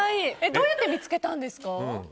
どうやって見つけたんですか？